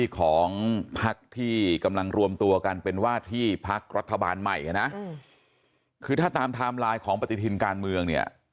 ของพักที่กำลังรวมตัวกันเป็นว่าที่พักรัฐบาลใหม่นะคือถ้าตามไทม์ไลน์ของปฏิทินการเมืองเนี่ย